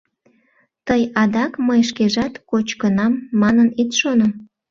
Тый адак мый шкежат кочкынам манын ит шоно.